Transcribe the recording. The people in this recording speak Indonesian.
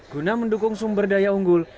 guna mendukung sumber daya unggul